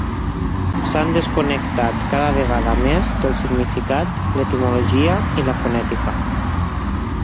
S'han desconnectat cada vegada més del significat, l'etimologia i la fonètica.